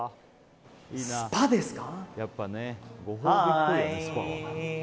スパですか。